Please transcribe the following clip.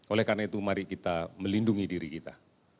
oleh karena itu mari kita melindungi diri kita